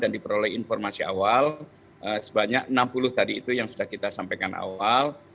dan diperoleh informasi awal sebanyak enam puluh tadi itu yang sudah kita sampaikan awal